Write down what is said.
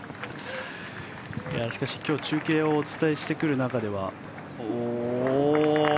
しかし今日中継をお伝えする中では。